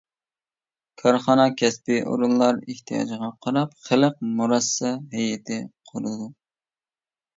كارخانا، كەسپىي ئورۇنلار ئېھتىياجىغا قاراپ، خەلق مۇرەسسە ھەيئىتى قۇرىدۇ.